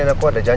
jadi itu aja